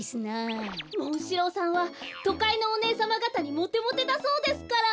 モンシローさんはとかいのおねえさまがたにモテモテだそうですから。